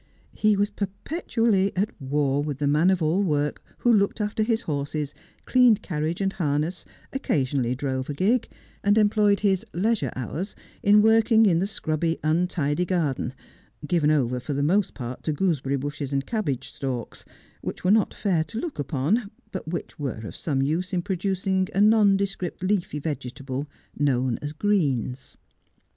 He was perpetually at war with the man of all work who looked after his horses, cleaned carriage and harness, occasionally drove a gig, and employed his leisure hours in working in the scrubby, untidy garden, given over for the most part to gooseberry bushes and cabbage stalks, which were not fair to look upon, but which were of some use in pro ducing a nondescript leafy vegetable known as ' greens.'